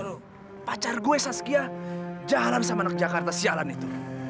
loh pacar gue saskia jalan sama anak jakarta sialan itu